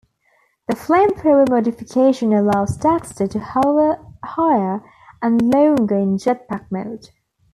The flamethrower modification allows Daxter to hover higher and longer in jet-pack mode.